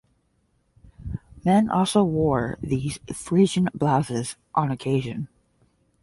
Men also wore these "Frisian blouses" on occasion.